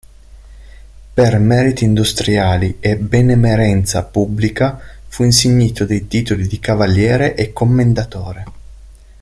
Per "meriti industriali e benemerenza pubblica" fu insignito dei titoli di Cavaliere e Commendatore.